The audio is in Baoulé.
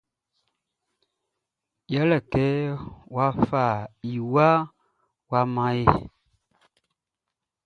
Ye le kɛ wa fa iwa wa man yé.